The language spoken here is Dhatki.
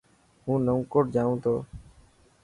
هون نئون ڪوٽ جائون تو.